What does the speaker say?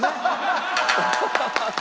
ハハハハッ！